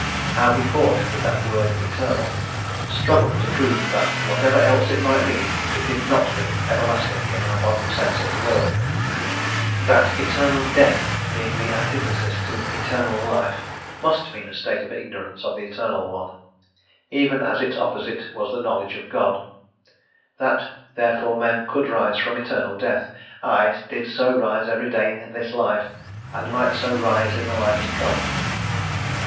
How he fought with that word "eternal," struggled to prove that whatever else it might mean it did not mean everlasting in our modern sense of the word: that "eternal death" being the antithesis to "eternal life" must mean a state of ignorance of the Eternal One, even as its opposite was the knowledge of God: that therefore men could rise from eternal death, aye, did so rise every day in this life, and might so rise in the life to come.